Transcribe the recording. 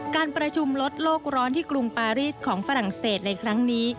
การประชุมลดโลกร้อนที่กรุงปารีสของฝรั่งเศสในครั้งนี้